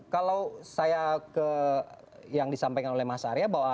kalau saya ke yang disampaikan oleh mas arya bahwa